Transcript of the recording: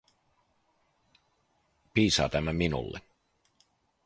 Piisaa tämä minulle.